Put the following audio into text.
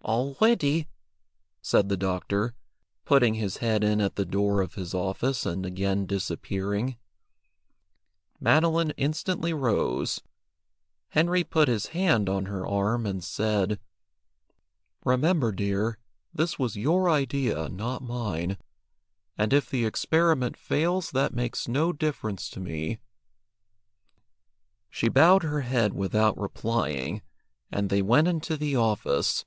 "All ready," said the doctor, putting his head in at the door of his office and again disappearing. Madeline instantly rose. Henry put his hand on her arm, and said "Remember, dear, this was your idea, not mine, and if the experiment fails that makes no difference to me." She bowed her head without replying, and they went into the office.